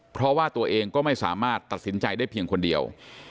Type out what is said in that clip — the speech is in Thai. เพราะว่าตัวเองก็ไม่สามารถตัดสินใจได้เพียงคนเดียว